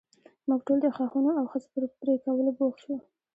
موږ ټول د ښاخونو او خس پر پرې کولو بوخت شو.